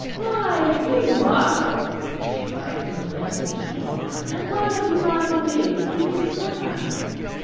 "Why, here you are!" she cried from the landing as she came down, "and why have you not obeyed the Queen's command?"